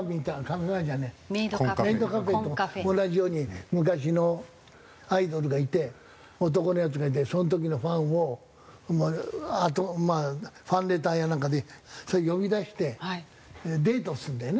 メイドカフェと同じように昔のアイドルがいて男のヤツがいてその時のファンをファンレターやなんかで呼び出してデートするんだよね。